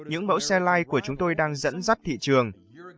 những mẫu xe lai của chúng tôi đang dẫn dắt thị trường